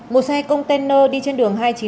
một xe container đi trên đường hai trăm chín mươi